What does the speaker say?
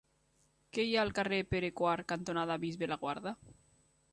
Què hi ha al carrer Pere IV cantonada Bisbe Laguarda?